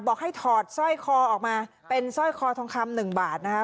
บอกให้ถอดสร้อยคอออกมาเป็นสร้อยคอทองคำหนึ่งบาทนะคะ